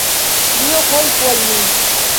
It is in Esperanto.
Dio, helpu al mi!